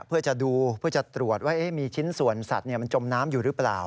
เพื่อจะดูเพื่อจะตรวจว่ามีชิ้นส่วนสัตว์มันจมน้ำอยู่หรือเปล่า